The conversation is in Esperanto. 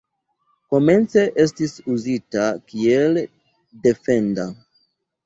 Komence estis uzita kiel defenda.